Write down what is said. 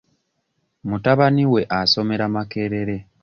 Mutabani we asomera Makerere.